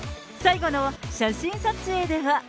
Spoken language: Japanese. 最後の写真撮影では。